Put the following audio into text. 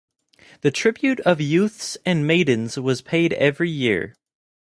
The tribute of youths and maidens was paid every year.